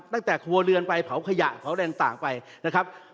ตั้งแต่ครัวเรือนไปเผาขยะเผาอะไรต่างไปนะครับ